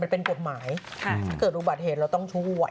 มันเป็นกฎหมายถ้าเกิดอุบัติเหตุเราต้องชั่ว